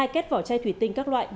hai két vỏ chai thủy tinh các loại